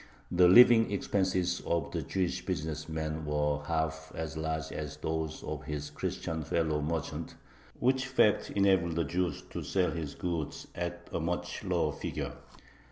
The living expenses of the Jewish business man were half as large as those of his Christian fellow merchant, which fact enabled the Jew to sell his goods at a much lower figure.